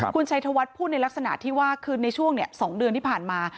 คุณชัยธวัฒน์พูดในลักษณะที่ว่าคือในช่วง๒เดือนที่ผ่านมา